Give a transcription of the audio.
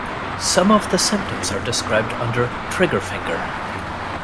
Some of the symptoms are described under trigger finger.